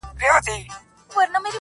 چي بیا زما د ژوند شکايت درنه وړي و تاته